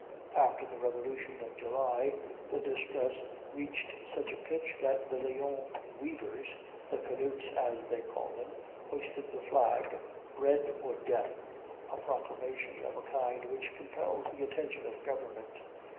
After the Revolution of July, the distress reached such a pitch that the Lyons weavers the canuts, as they call them hoisted the flag, 'Bread or Death!' a proclamation of a kind which compels the attention of a government.